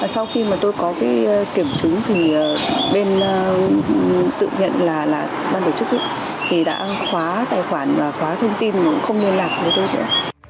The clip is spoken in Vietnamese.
sau khi mà tôi có cái kiểm chứng thì bên tự nhận là ban tổ chức thì đã khóa tài khoản và khóa thông tin không liên lạc với tôi nữa